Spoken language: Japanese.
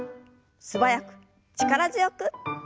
素早く力強く。